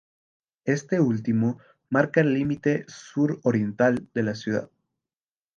Este último marca el límite suroriental de la ciudad.